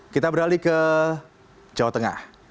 kita beralih ke jawa tengah